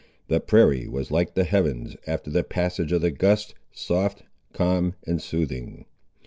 The prairie was like the heavens after the passage of the gust, soft, calm, and soothing.